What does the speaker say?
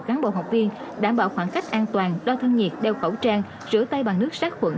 cán bộ học viên đảm bảo khoảng cách an toàn đo thân nhiệt đeo khẩu trang rửa tay bằng nước sát khuẩn